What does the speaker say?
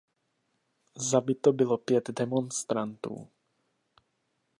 Zabito bylo pět demonstrantů.